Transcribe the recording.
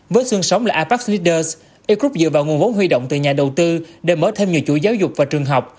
với xương sống là apac leaders e group dựa vào nguồn vốn huy động từ nhà đầu tư để mở thêm nhiều chuỗi giáo dục và trường học